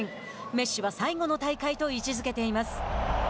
メッシは最後の大会と位置づけています。